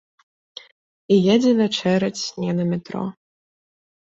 І едзе вячэраць не на метро.